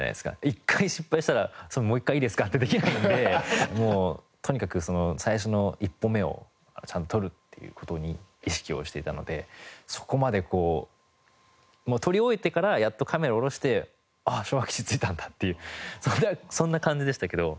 １回失敗したらもう一回いいですかってできないんでもうとにかくその最初の一歩目をちゃんと撮るっていう事に意識をしていたのでそこまでこう撮り終えてからやっとカメラを下ろしてああ昭和基地着いたんだっていうそんな感じでしたけど。